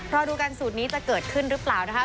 รอดูกันสูตรนี้จะเกิดขึ้นหรือเปล่านะคะ